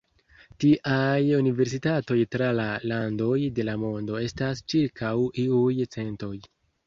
Tiaj universitatoj tra la landoj de la mondo estas ĉirkaŭ iuj centoj.